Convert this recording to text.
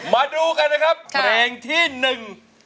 มาดูกันนะครับเพลงที่หนึ่ง